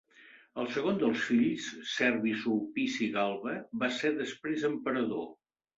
El segon dels fills, Servi Sulpici Galba, va ser després emperador.